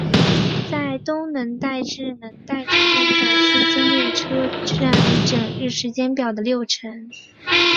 在东能代至能代之间的区间列车占整日时间表的六成。